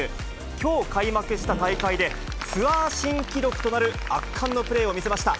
きょう開幕した大会で、ツアー新記録となる圧巻のプレーを見せました。